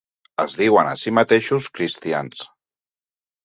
Es diuen a si mateixos cristians.